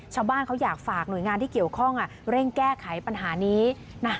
ชาวบ้านเขาอยากฝากหน่วยงานที่เกี่ยวข้องเร่งแก้ไขปัญหานี้นะ